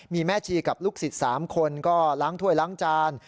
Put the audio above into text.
มีแม่ชีกับลูกศิษย์๓คนก็ล้างถ้วยล้างจาน